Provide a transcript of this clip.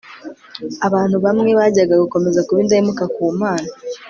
abantu bamwe bajyaga gukomeza kuba indahemuka ku Mana